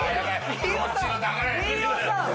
飯尾さん！